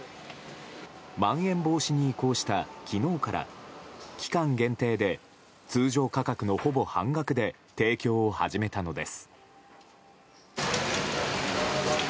まん延防止に移行した昨日から期間限定で通常価格のほぼ半額で提供を始めたのです。